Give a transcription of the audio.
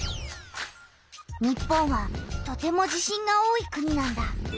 日本はとても地震が多い国なんだ。